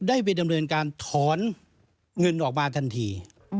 ได้ไปดำเนินการถอนเงินออกมาทันที